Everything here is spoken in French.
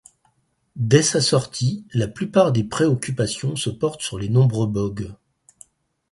Dès sa sortie, la plupart des préoccupations se portent sur les nombreux bogues.